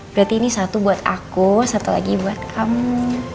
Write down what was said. berarti ini satu buat aku satu lagi buat kamu